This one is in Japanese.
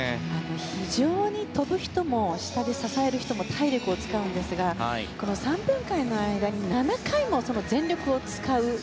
非常に飛ぶ人も下で支える人も体力を使うんですが３分間の間に、７回も全力を使う。